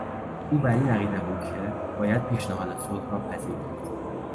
او بر این عقیده بود که باید پیشنهاد صلح را پذیرفت.